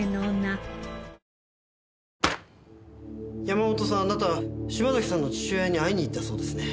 山本さんあなた島崎さんの父親に会いに行ったそうですね。